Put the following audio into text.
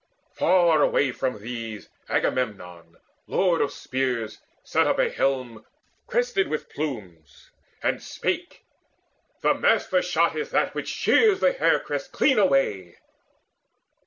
Far away from these Agamemnon, lord of spears, set up a helm Crested with plumes, and spake: "The master shot Is that which shears the hair crest clean away."